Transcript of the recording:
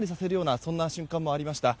そんな瞬間もありました。